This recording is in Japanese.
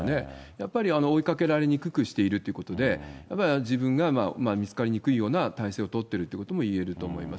やっぱり追いかけられにくくしているということで、やっぱり自分が見つかりにくいような態勢を取ってるということもいえると思います。